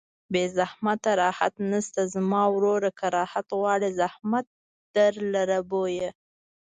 بې زحمته راحت نشته زما وروره که راحت غواړې زحمت در لره بویه